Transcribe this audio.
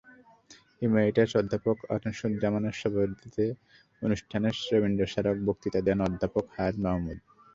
Emeritus অধ্যাপক আনিসুজ্জামানের সভাপতিত্বে অনুষ্ঠানে রবীন্দ্র স্মারক বক্তৃতা দেন অধ্যাপক হায়াৎ মামুদ।